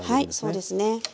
はいそうですね。